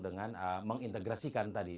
dengan mengintegrasikan tadi